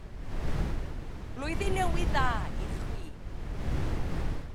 Blwyddyn Newydd Dda i chwi!